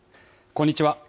こんにちは。